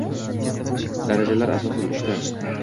Darajalar asosan uchta